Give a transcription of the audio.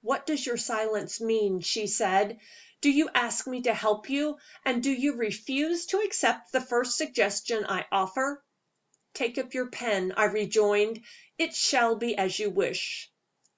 "What does your silence mean?" she said. "Do you ask me to help you, and do you refuse to accept the first suggestion I offer?" "Take up your pen," I rejoined. "It shall be as you wish."